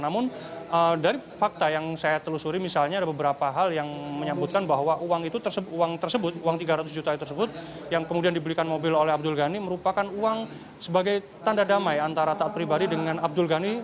namun dari fakta yang saya telusuri misalnya ada beberapa hal yang menyambutkan bahwa uang tersebut uang tiga ratus juta tersebut yang kemudian dibelikan mobil oleh abdul ghani merupakan uang sebagai tanda damai antara taat pribadi dengan abdul ghani